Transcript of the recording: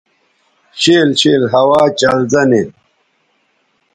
شِیل شِیل ہوا چلزہ نی